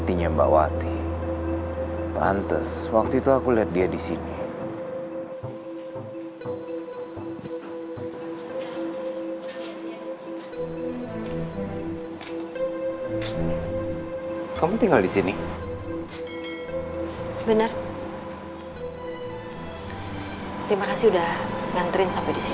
terima kasih telah mengantrien sampai disini